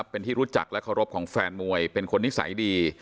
เป็นที่รู้จักและเคารพของแฟนมวยเป็นคนนิสัยดี